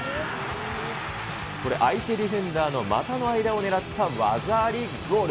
これ、相手ディフェンダーのまたの間を狙った技ありゴール。